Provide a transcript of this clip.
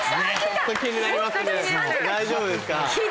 大丈夫ですか？